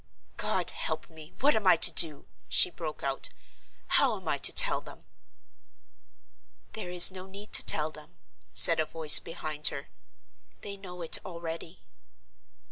"God help me, what am I to do?" she broke out. "How am I to tell them?" "There is no need to tell them," said a voice behind her. "They know it already."